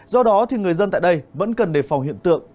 do đó thì người dân tại đây vẫn cần đề phòng hiện tượng